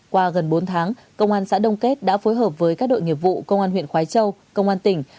qua gần bốn tháng công an xã đông kết đã phối hợp với các đội nghiệp vụ công an huyện khói châu công an tỉnh